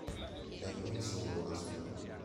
E non solo la sua.